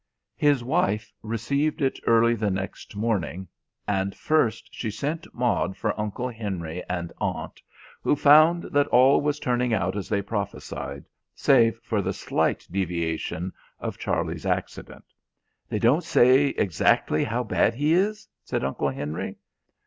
His wife received it early the next morning, and first she sent Maud for Uncle Henry and Aunt, who found that all was turning out as they prophesied, save for the slight deviation of Charlie's accident. "They don't say exactly how bad he is?" said Uncle Henry.